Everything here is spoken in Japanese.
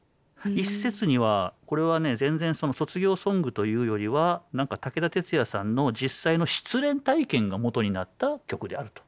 一説にはこれはね全然卒業ソングというよりは何か武田鉄矢さんの実際の失恋体験がもとになった曲であると。